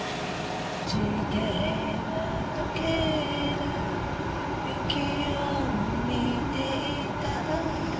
「落ちてはとける雪を見ていた」